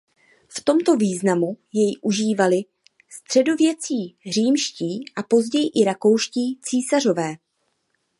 V tomto významu jej užívali středověcí římští a později i rakouští císařové.